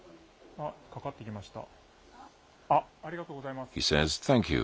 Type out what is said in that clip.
あっ、かかってきました。